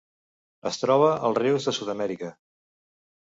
Es troba als rius de Sud-amèrica.